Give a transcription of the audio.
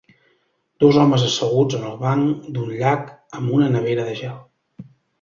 Dos homes asseguts en el banc d'un llac amb una nevera de gel.